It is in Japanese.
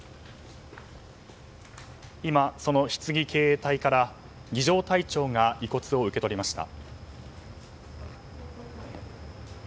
今、そのひつぎ警衛隊から儀仗隊長が遺骨を受け取りました。